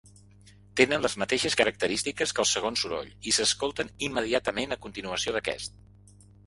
Tenen les mateixes característiques que el segon soroll i s'escolten immediatament a continuació d'aquest.